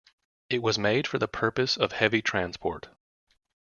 It was made for the purpose of heavy transport.